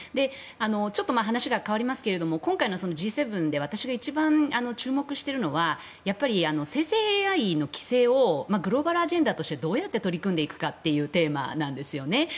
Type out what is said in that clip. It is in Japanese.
ちょっと話が変わりますが今回のＧ７で私が一番注目しているのはやっぱり生成ＡＩの規制をグローバルアジェンダとしてどうやって取り組んでいくかというテーマなんですよね。